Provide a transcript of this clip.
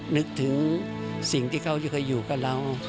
นึกถึงสิ่งที่เขาจะเคยอยู่กับเรา